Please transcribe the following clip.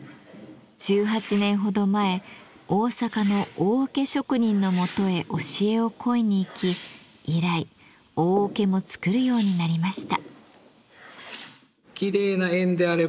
１８年ほど前大阪の大桶職人のもとへ教えを請いに行き以来大桶も作るようになりました。